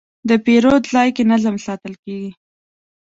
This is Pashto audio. د پیرود ځای کې نظم ساتل کېږي.